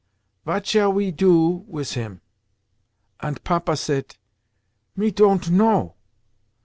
Vat shall we do wis him?' Ant Papa sayt, 'Me ton't know.